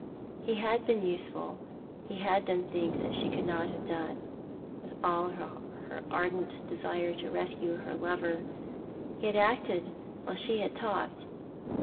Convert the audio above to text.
He had been useful; ho had done things that she could not have done, with all her ardent desire to rescue her lover. He had acted while she had talked.